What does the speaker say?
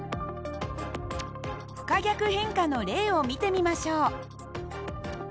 不可逆変化の例を見てみましょう。